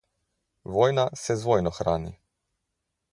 Vojna se z vojno hrani.